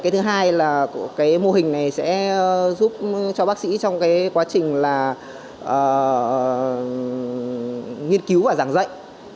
thứ hai là mô hình này sẽ giúp cho bác sĩ trong quá trình nghiên cứu và giảng dạy